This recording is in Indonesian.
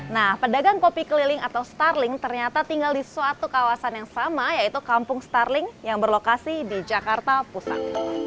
nah pedagang kopi keliling atau starling ternyata tinggal di suatu kawasan yang sama yaitu kampung starling yang berlokasi di jakarta pusat